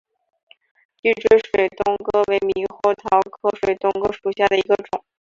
聚锥水东哥为猕猴桃科水东哥属下的一个种。